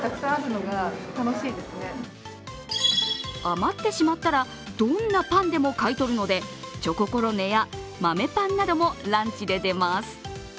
余ってしまったらどんなパンでも買い取るのでチョココロネや豆パンなどもランチで出ます。